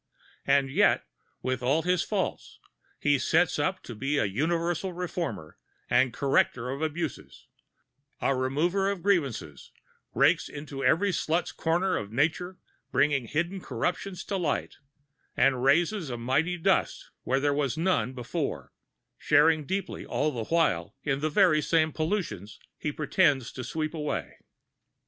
And yet, with all his faults, he sets up to be a universal reformer and corrector of abuses, a remover of grievances, rakes into every slut's corner of nature, bringing hidden corruptions to the light, and raises a mighty dust where there was none before, sharing deeply all the while in the very same pollutions he pretends to sweep away.